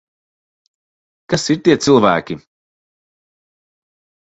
Kas ir tie cilvēki?